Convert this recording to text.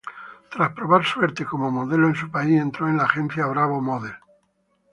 Tras probar suerte como modelo en su país, entró en la agencia Bravo Model.